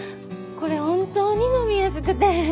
これ本当に飲みやすくて。